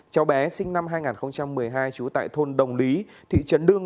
cháu bé sinh năm hai nghìn một mươi hai trú tại thôn đồng lý thị trấn đương